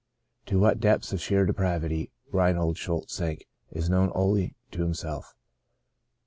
To what depths of sheer depravity Reinhold Schultz sank, is known only to himself.